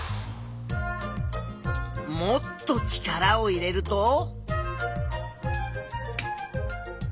もっと力を入れると。